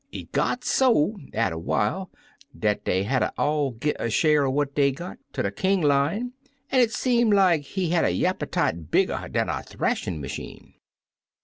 It got so, atter while, dat dey hatter all gi' a sheer er what dey got ter King Lion, an' it seem like he had a y'appe tite bigger dan a th'ashin' machine.